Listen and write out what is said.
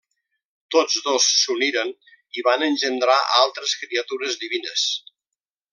Tots dos s'uniren i van engendrar altres criatures divines.